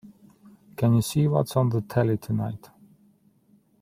Can you see what's on the telly tonight?